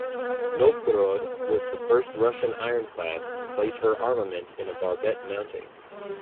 "Novgorod" was the first Russian ironclad to place her armament in a barbette mounting.